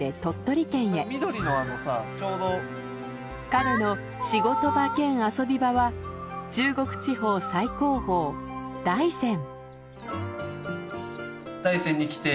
彼の仕事場兼遊び場は中国地方最高峰大山。